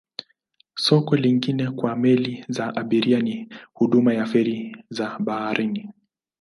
Soko lingine kwa meli za abiria ni huduma ya feri za baharini.